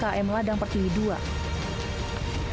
kepala desa km ladang pertiwi ii yang terlalu banyak hilang